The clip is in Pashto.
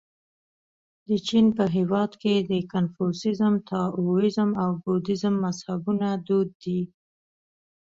د چین په هېواد کې د کنفوسیزم، تائویزم او بودیزم مذهبونه دود دي.